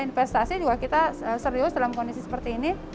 investasi juga kita serius dalam kondisi seperti ini